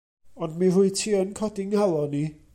Ond mi rwyt ti yn codi 'nghalon i.